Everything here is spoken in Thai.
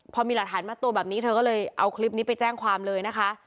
พอมีหลักฐานมัดตัวแบบนี้เธอก็เลยเอาคลิปนี้ไปแจ้งความเลยนะคะ